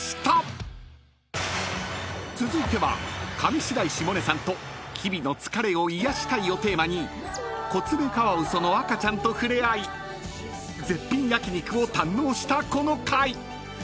［続いては上白石萌音さんと日々の疲れを癒やしたいをテーマにコツメカワウソの赤ちゃんと触れ合い絶品焼き肉を堪能したこの回］